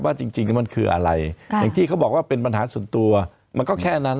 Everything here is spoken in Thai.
จริงมันคืออะไรอย่างที่เขาบอกว่าเป็นปัญหาส่วนตัวมันก็แค่นั้น